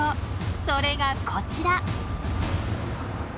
それがこちら！